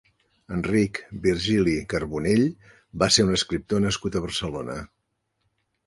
Enric Virgili Carbonell va ser un escriptor nascut a Barcelona.